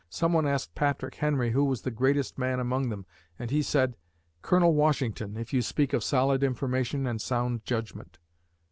Someone asked Patrick Henry who was the greatest man among them and he said, "Colonel Washington, if you speak of solid information and sound judgment."